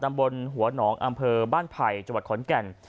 บนหัวหนองอำเภอบ้านไผ่จังหวัดขอนแก่น